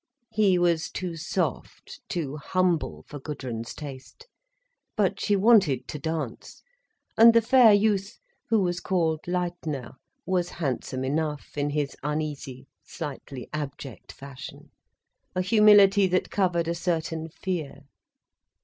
He was too soft, too humble for Gudrun's taste. But she wanted to dance, and the fair youth, who was called Leitner, was handsome enough in his uneasy, slightly abject fashion, a humility that covered a certain fear.